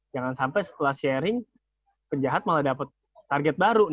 jangan sampai setelah sharing penjahat malah dapat target baru